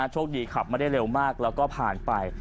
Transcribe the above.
โชคดีขับไม่ได้เร็วมากแล้วก็ผ่านไป